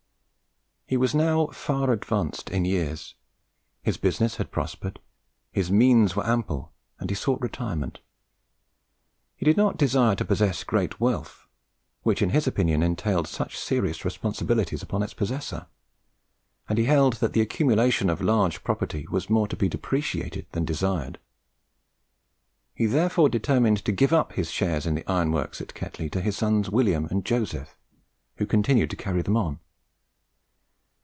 He was now far advanced in years. His business had prospered, his means were ample, and he sought retirement. He did not desire to possess great wealth, which in his opinion entailed such serious responsibilities upon its possessor; and he held that the accumulation of large property was more to be deprecated than desired. He therefore determined to give up his shares in the ironworks at Ketley to his sons William and Joseph, who continued to carry them on.